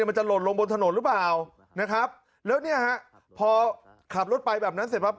มันจะหล่นลงบนถนนหรือเปล่าแล้วพอขับรถไปแบบนั้นเสร็จครับ